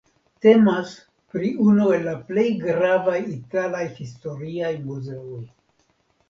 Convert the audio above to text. Temas pri unu el la plej gravaj italaj historiaj muzeoj.